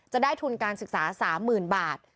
จะได้ทุนการศึกษา๓๐๐๐บาท